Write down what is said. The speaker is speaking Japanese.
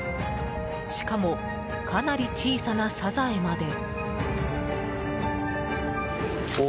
しかも、かなり小さなサザエまで。